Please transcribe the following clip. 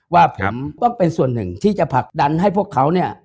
ว่าผมต้องเป็นส่วนหนึ่งที่จะผลักดันให้พวกเขาเนี่ย